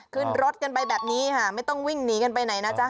ขึ้นรถกันไปแบบนี้ค่ะไม่ต้องวิ่งหนีกันไปไหนนะจ๊ะ